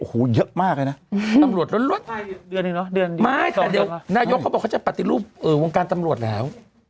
นายโยคเขาบอกเขาจะปัจจิรูปวงการตำรวจแล้ว